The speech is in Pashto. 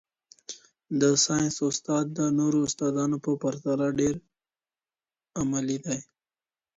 د ساینس استاد د نورو استادانو په پرتله ډېر عملي دی.